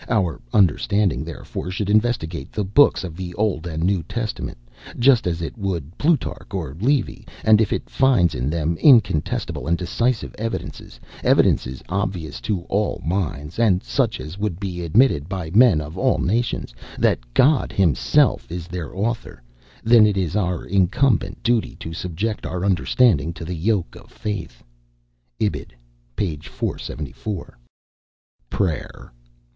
Our understanding, therefore, should investigate the books of the Old and New Testament, just as it would Plutarch or Livy; and if it finds in them incontestable and decisive evidences evidences obvious to all minds, and such as would be admitted by men of all nations that God himself is their author, then it is our incumbent duty to subject our understanding to the yoke of faith. [Ibid, p. 474.] Prayer.